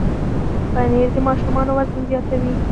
پنېر د ماشومانو وزن زیاتوي.